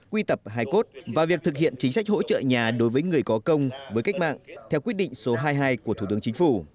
quy tập hài cốt và việc thực hiện chính sách hỗ trợ nhà đối với người có công với cách mạng theo quyết định số hai mươi hai của thủ tướng chính phủ